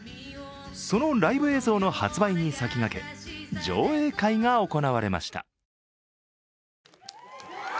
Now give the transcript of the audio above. そのライブ映像の発売に先駆け上映会が行われました。